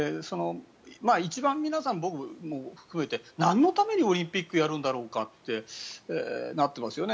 一番皆さん、僕も含めてなんのためにオリンピックをやるんだろうかってなっていますよね。